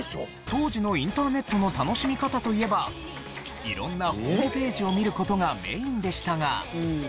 当時のインターネットの楽しみ方といえば色んなホームページを見る事がメインでしたが。